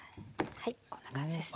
はいこんな感じですね。